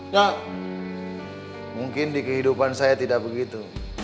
dak mungkin di kehidupan saya tidak begitu